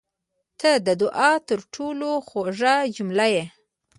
• ته د دعا تر ټولو خوږه جمله یې.